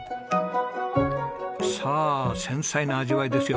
さあ繊細な味わいですよ。